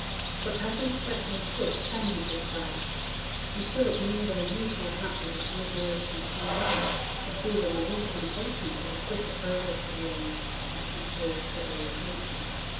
But every step they took tended this way, and Philip knew their usual practice of deliberation too well to feel in the least impatient for the quicker progress of the end which he saw steadily approaching.